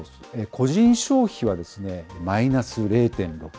個人消費はマイナス０．６４％。